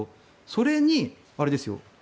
それに、あれですよ